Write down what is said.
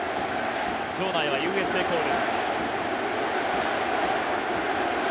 場内はＵＳＡコール。